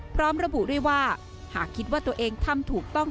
พร้อมระบุด้วยว่าหากคิดว่าตัวเองทำถูกต้อง